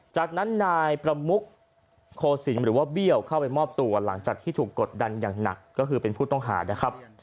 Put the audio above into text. จากนั้นนายประมุกโคศิลป์หรือว่าเบี้ยวเข้าไปมอบตัวหลังจากที่ถูกกดดันอย่างหนักก็คือเป็นผู้ต้องหานะครับ